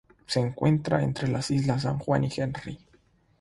Se encuentra entre las islas San Juan y Henry.